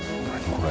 これ。